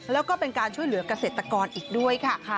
แล้วก็เป็นการช่วยเหลือกเกษตรกรอีกด้วยค่ะ